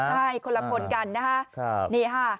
ใช่คนละคนกันนะฮะ